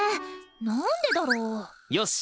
なんでだろう？よし！